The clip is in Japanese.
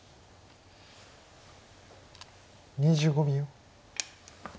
２５秒。